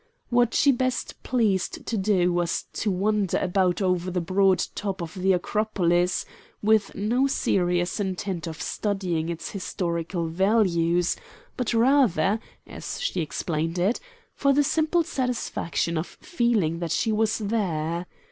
What she best pleased to do was to wander about over the broad top of the Acropolis, with no serious intent of studying its historical values, but rather, as she explained it, for the simple satisfaction of feeling that she was there.